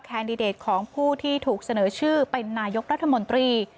แดดิเดตของผู้ที่ถูกเสนอชื่อเป็นนายกรัฐมนตรี